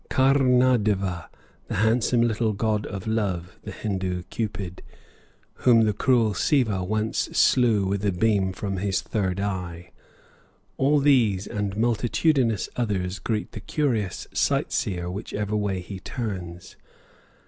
Karn adeva, the handsome little God of Love (the Hindoo Cupid), whom the cruel Siva once slew with a beam from his third eye all these and multitudinous others greet the curious sight seer whichever way he turns.